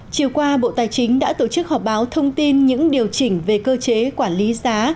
chiều qua bộ tài chính đã tổ chức họp báo thông tin những điều chỉnh về cơ chế quản lý giá